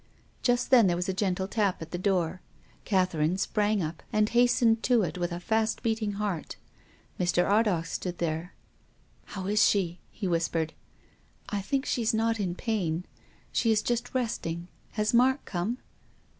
Just then there was a gentle tap on the door. Catherine sprang up, and hastened to it with a fast beating heart. Mr. Ardagh stood there. " I low is she ?" he whispered. " I think she is not in jiain. She is just rest ing. Has Mark come